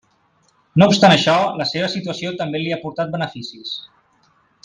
No obstant això, la seva situació també li ha portat beneficis.